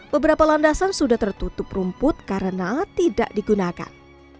beberapa landasan sudah tertutup rumput karena tidak digunakan